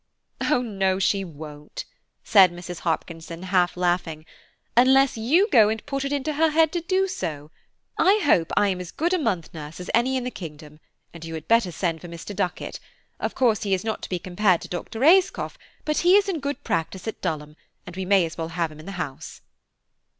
"Oh no, she won't," said Mrs. Hopkinson, half laughing, "unless you go and put it into her head to do so. I hope I am as good a month nurse as any in the kingdom; and you had better send for Mr. Duckett; of course he is not to be compared to Doctor Ayscough, but he is in good practice at Dulham, and we may as well have him in the house."